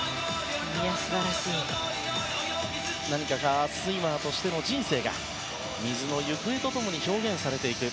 何かスイマーとしての人生が「水のゆくえ」とともに表現されていく。